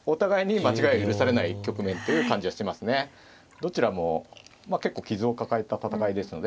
どちらも結構傷を抱えた戦いですので。